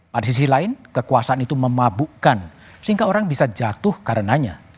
pada sisi lain kekuasaan itu memabukkan sehingga orang bisa jatuh karenanya